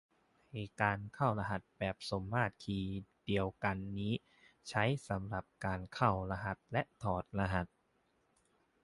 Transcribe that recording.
ในการเข้ารหัสแบบสมมาตรคีย์เดียวกันนี้ใช้สำหรับการเข้ารหัสและถอดรหัส